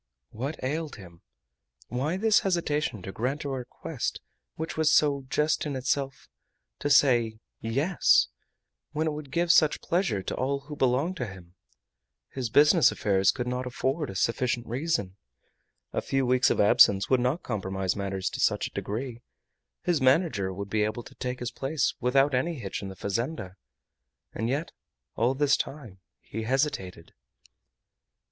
What ailed him? Why this hesitation to grant a request which was so just in itself to say "Yes," when it would give such pleasure to all who belonged to him? His business affairs could not afford a sufficient reason. A few weeks of absence would not compromise matters to such a degree. His manager would be able to take his place without any hitch in the fazenda. And yet all this time he hesitated.